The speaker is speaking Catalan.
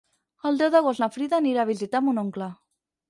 El deu d'agost na Frida anirà a visitar mon oncle.